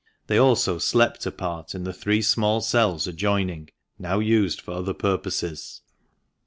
They also slept apart in the three small cells adjoining, now used for other purposes."